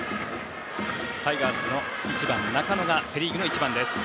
タイガースの中野がセ・リーグの１番です。